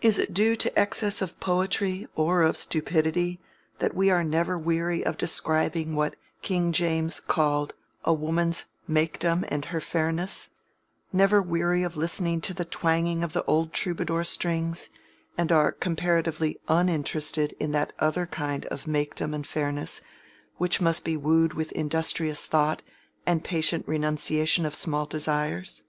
Is it due to excess of poetry or of stupidity that we are never weary of describing what King James called a woman's "makdom and her fairnesse," never weary of listening to the twanging of the old Troubadour strings, and are comparatively uninterested in that other kind of "makdom and fairnesse" which must be wooed with industrious thought and patient renunciation of small desires?